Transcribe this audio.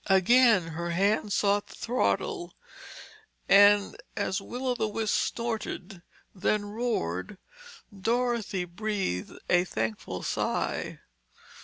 Again her hand sought the throttle and as Will o' the Wisp snorted, then roared, Dorothy breathed a thankful sigh.